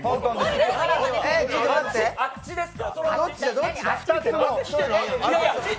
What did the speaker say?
あっちですか？